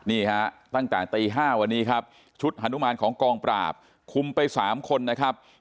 นี่ฮะตั้งแต่ตี๕วันนี้ครับชุดฮานุมานของกองปราบคุมไป๓คนนะครับ